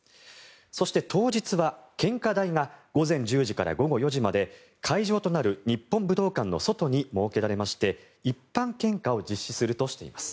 そして、当日は献花台が午前１０時から午後４時まで会場となる日本武道館の外に設けられまして一般献花を実施するとしています。